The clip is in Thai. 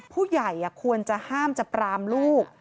ผู้ใหญ่ควรจะห้ามจะปรามลูก